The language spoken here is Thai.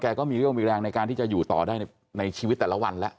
ก็มีเรื่องมีแรงในการที่จะอยู่ต่อได้ในชีวิตแต่ละวันแล้ว